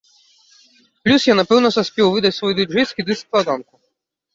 Плюс, я напэўна саспеў выдаць свой дыджэйскі дыск-складанку.